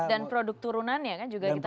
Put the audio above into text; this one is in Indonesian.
dan produk turunannya juga kita impor kan